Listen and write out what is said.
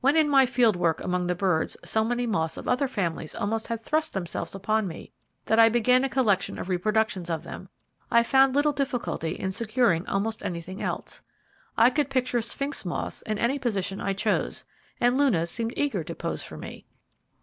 When in my field work among the birds, so many moths of other families almost had thrust themselves upon me that I began a collection of reproductions of them, I found little difficulty in securing almost anything else. I could picture Sphinx Moths in any position I chose, and Lunas seemed eager to pose for me.